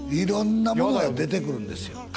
色んなものが出てくるんですよ